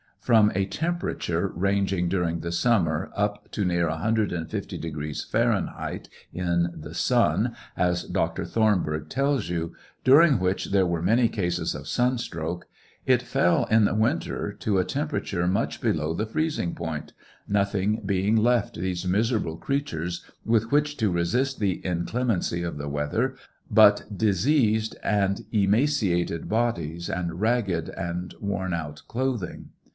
From a temperature ranging during summer up to near 150 degrees Fahrenheit in the sun, as Dr. Thornburgh tells you, during which there were many cases of sunstroke, it fell in the winter to a temperature much below the freezing point, nothing being left these miser H. Ex. Doc. 23 47 738 TRIAL OF HENKY WIRZ. able creatures witb which to resist the inclemency of the weather but diseased and emaciated bodies and ragged and worn out clothing.